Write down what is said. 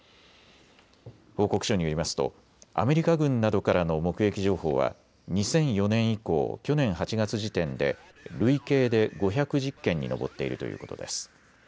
報告書によりますとアメリカ軍などからの目撃情報は２００４年以降、去年８月時点で累計で５１０件に上っているということです。